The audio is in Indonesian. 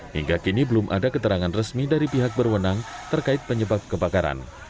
hingga kini belum ada keterangan resmi dari pihak berwenang terkait penyebab kebakaran